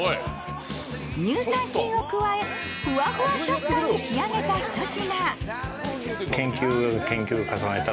乳酸菌を加え、ふわふわ食感に仕上げたひと品。